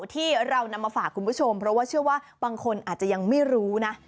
ที่เรานำมาฝากคุณผู้ชมเพราะว่าเชื่อว่าบางคนอาจจะยังไม่รู้นะ